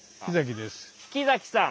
木崎さん。